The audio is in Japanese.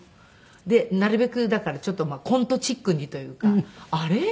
でなるべくだからちょっとコントチックにというか「あれ？